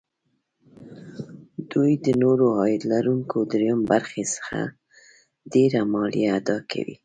دوی د نورو عاید لرونکو دریم برخې څخه ډېره مالیه اداکوي